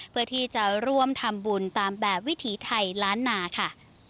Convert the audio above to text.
เพื่อที่จะร่วมทำบุญตามแบบวิถีไทยล้านนาค่ะ